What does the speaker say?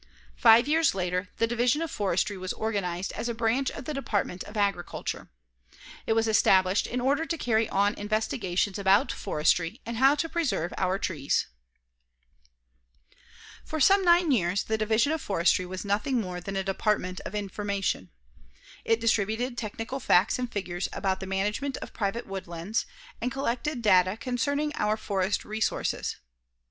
Five years later, the Division of Forestry was organized as a branch of the Department of Agriculture. It was established in order to carry on investigations about forestry and how to preserve our trees. [Illustration: CUTTING MATURE TREES AND LEAVING SEED TREES TO INSURE A SECOND CROP] For some nine years the Division of Forestry was nothing more than a department of information. It distributed technical facts and figures about the management of private woodlands and collected data concerning our forest resources.